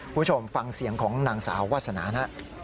ผู้ชมฟังเสียงของหนังสาววาสนาน